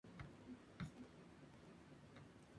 Sin embargo, no se desea adoptar ni pertenecer.